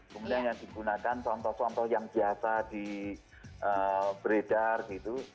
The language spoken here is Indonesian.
kemudian yang digunakan contoh contoh yang biasa di beredar gitu